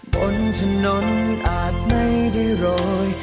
บนถนนอาจไม่ได้รอย